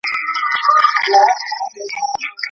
شاګرد د موضوع اړوند مثالونه له کومه راوړي؟